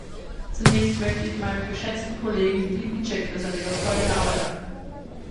Zunächst möchte ich meinem geschätzten Kollegen Willy Piecyk für seine überzeugende Arbeit danken.